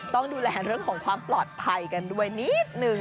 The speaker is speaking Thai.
ต้องดูแลเรื่องของความปลอดภัยกันด้วยนิดนึง